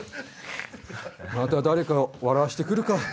また誰かを笑わして来るか。